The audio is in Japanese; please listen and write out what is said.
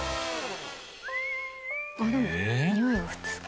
あっでもにおいは普通か。